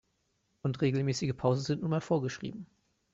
Und regelmäßige Pausen sind nun mal vorgeschrieben.